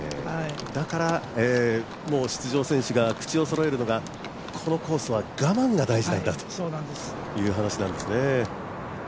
だから、出場選手が口をそろえるのがこのコースは我慢が大事なんだという話なんですね。